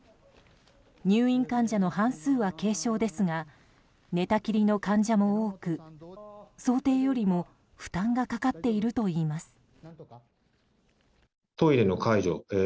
入院患者の半数は軽症ですが寝たきりの患者も多く想定よりも負担がかかっているといいます。